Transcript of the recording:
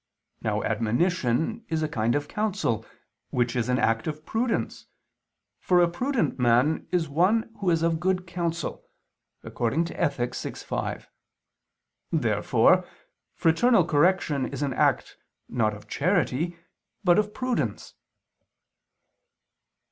Now admonition is a kind of counsel, which is an act of prudence, for a prudent man is one who is of good counsel (Ethic. vi, 5). Therefore fraternal correction is an act, not of charity, but of prudence.